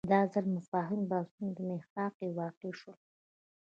دا ځل مفاهیم بحثونو محراق کې واقع شول